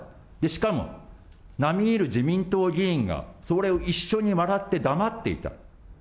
しかも、並み居る自民党議員がそれを一緒に笑って黙っていた。